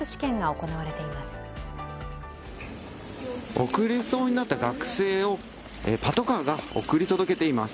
遅れそうになった学生をパトカーが送り届けています。